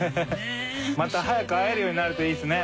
また早く会えるようになるといいですね。